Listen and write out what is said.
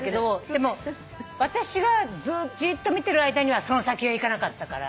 でも私がじーっと見てる間にはその先はいかなかったから。